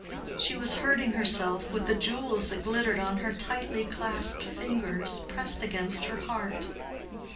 She was hurting herself with the jewels that glittered on her tightly clasped fingers pressed against her heart.